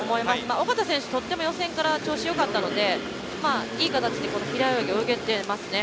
小方選手、とっても予選から調子がよかったのでいい形で平泳ぎを泳げていますね。